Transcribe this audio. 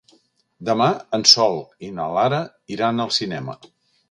Demà en Sol i na Lara iran al cinema.